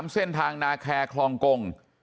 เส้นทางนาแคร์คลองกง